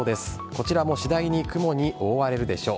こちらも次第に雲に覆われるでしょう。